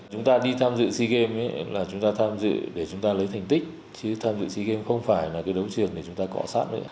chúng ta đi tham dự sea games là chúng ta tham dự để chúng ta lấy thành tích chứ tham dự sea games không phải là cái đấu trường để chúng ta cọ sát nữa